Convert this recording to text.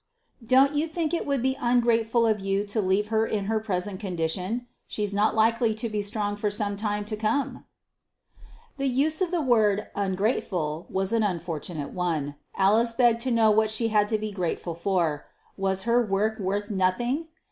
"Don't you think it would be ungrateful of you to leave her in her present condition? She's not likely to be strong for some time to come." The use of the word "ungrateful" was an unfortunate one. Alice begged to know what she had to be grateful for. Was her work worth nothing?